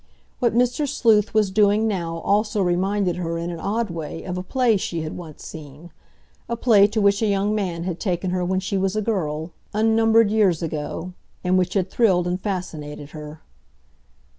What Mr. Sleuth was doing now also reminded her in an odd way of a play she had once seen—a play to which a young man had taken her when she was a girl, unnumbered years ago, and which had thrilled and fascinated her.